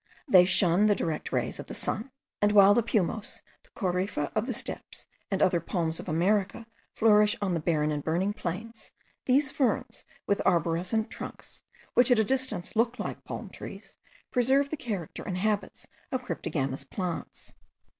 They shun the direct rays of the sun, and while the pumos, the corypha of the steppes and other palms of America, flourish on the barren and burning plains, these ferns with arborescent trunks, which at a distance look like palm trees, preserve the character and habits of cryptogamous plants.